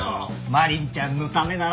愛鈴ちゃんのためなら。